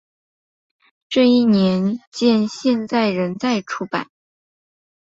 这一年鉴现在仍在出版。